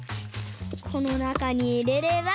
このなかにいれれば。